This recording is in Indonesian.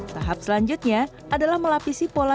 tahap selanjutnya adalah melapisi pola